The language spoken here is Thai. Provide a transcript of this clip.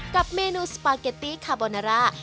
กับเมนูสปาเกตตี้คาร์โบนาลาร์